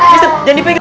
mister jangan dipenggil